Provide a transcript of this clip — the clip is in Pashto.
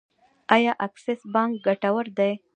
آیا اکسس بانک ګټور دی؟